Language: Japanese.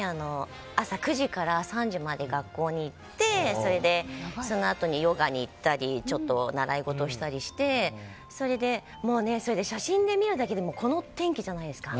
朝９時から３時まで学校に行ってそのあとにヨガに行ったり習い事をしたりしてもう写真で見るだけでもこの天気じゃないですか。